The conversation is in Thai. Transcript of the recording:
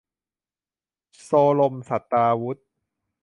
โซรมศัสตราวุธ